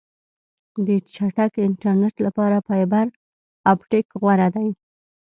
د چټک انټرنیټ لپاره فایبر آپټیک غوره دی.